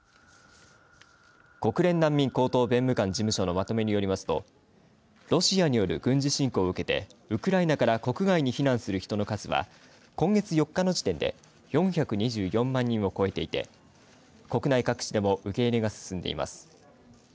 国連難民高等弁務官事務所のまとめによりますとロシアによる軍事侵攻を受けてウクライナから国外に避難する人の数は今月４日の時点で４２４万人を超えていて国内各地でも受け入れが進んでいます。